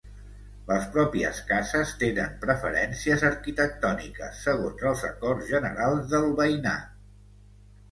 Les pròpies cases tenen preferències arquitectòniques segons els acords generals del veïnat.